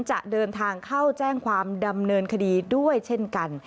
จะเดินทางเข้าแจ้งความดำเนินคดีด้วยเช่นกัน